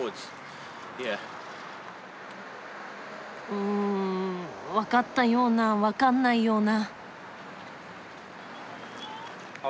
うんわかったようなわかんないような。